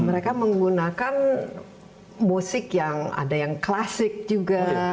mereka menggunakan musik yang ada yang klasik juga